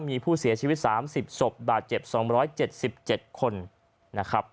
มีผู้เสียชีวิต๓๐ศพบาดเจ็บ๒๗๗คนนะครับ